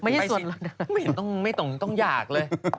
ไปสิไม่สวนอวังทองหล่างเลย